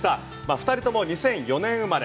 ２人ともともに２００４年生まれ。